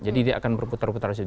jadi dia akan berputar putar disitu